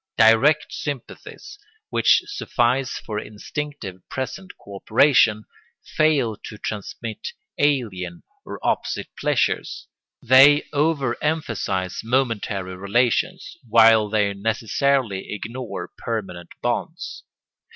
Direct sympathies, which suffice for instinctive present co operation, fail to transmit alien or opposite pleasures. They over emphasise momentary relations, while they necessarily ignore permanent bonds.